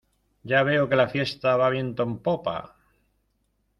ya veo que la fiesta va viento en popa.